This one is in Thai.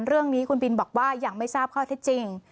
เรื่องนี้คุณบินบอกว่ายังไม่ทราบข้อเท็จจริง